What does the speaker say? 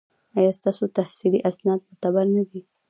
ایا ستاسو تحصیلي اسناد معتبر نه دي؟